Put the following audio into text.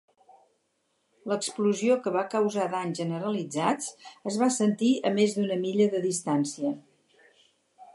L'explosió, que va causar danys generalitzats, es va sentir a més d'una milla de distància.